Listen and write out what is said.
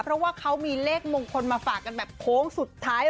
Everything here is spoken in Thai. เพราะว่าเขามีเลขมงคลมาฝากกันแบบโค้งสุดท้าย